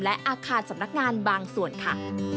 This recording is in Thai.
และอาคารสำนักงานบางส่วนค่ะ